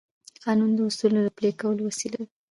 قانون د اصولو د پلي کولو وسیله ده.